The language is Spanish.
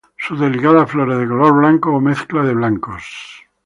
Sus delicadas flores de color blanco o mezcla de blancos.